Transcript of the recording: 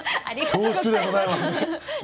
ありがとうございます。